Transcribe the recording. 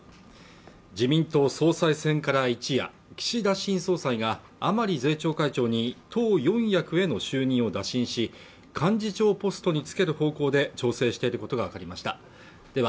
自民党総裁選から一夜岸田新総裁が甘利税調会長に党４役への就任を打診し幹事長ポストにつける方向で調整していることが分かりましたでは